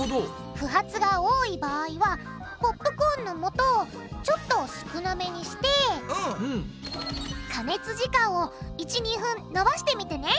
不発が多い場合はポップコーンのもとをちょっと少なめにして加熱時間を１２分のばしてみてね。